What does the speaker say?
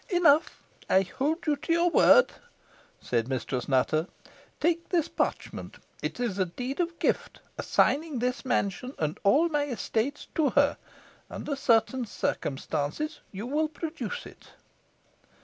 "Enough, I hold you to your word," said Mistress Nutter. "Take this parchment. It is a deed of gift, assigning this mansion and all my estates to her. Under certain circumstances you will produce it."